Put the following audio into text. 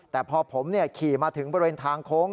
แต่พอผมขี่มาถึงบริเวณทางโค้ง